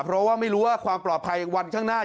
เพราะว่าไม่รู้ว่าความปลอดภัยวันข้างหน้า